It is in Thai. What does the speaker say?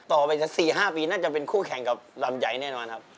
ต่อไป๔๕ปีน่าจะเป็นคู่แข่งกับลำไยแน่นอนครับ